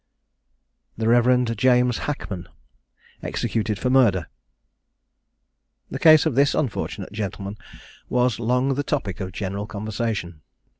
THE REV. JAMES HACKMAN. EXECUTED FOR MURDER. The case of this unfortunate gentleman was long the topic of general conversation.